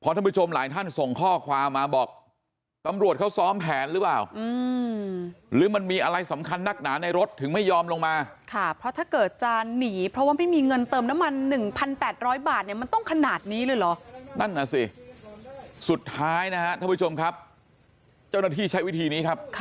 ท่านผู้ชมหลายท่านส่งข้อความมาบอกตำรวจเขาซ้อมแผนหรือเปล่าหรือมันมีอะไรสำคัญนักหนาในรถถึงไม่ยอมลงมาค่ะเพราะถ้าเกิดจะหนีเพราะว่าไม่มีเงินเติมน้ำมัน๑๘๐๐บาทเนี่ยมันต้องขนาดนี้เลยเหรอนั่นน่ะสิสุดท้ายนะฮะท่านผู้ชมครับเจ้าหน้าที่ใช้วิธีนี้ครับ